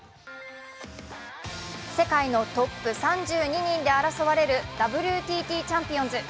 世界のトップ３２人で争われるＷＴＴチャンピオンズ。